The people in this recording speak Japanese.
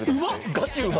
ガチうま！